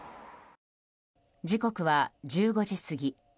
時刻は１５時過ぎ。